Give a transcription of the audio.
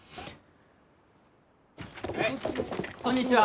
こんにちは！